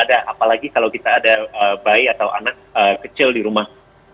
apalagi kalau kita ada bayi atau anak kecil di rumah